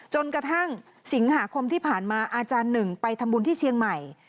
จนกระทั่งสิงหาคมที่ผ่านมาอาจารย์หนึ่งไปทำบุญที่เชียงใหม่